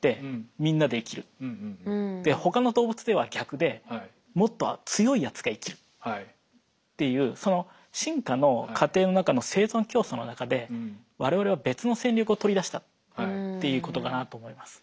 ほかの動物では逆でもっと強いやつが生きるっていうその進化の過程の中の生存競争の中でわれわれは別の戦略をとりだしたっていうことかなと思います。